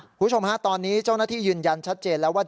คุณผู้ชมฮะตอนนี้เจ้าหน้าที่ยืนยันชัดเจนแล้วว่า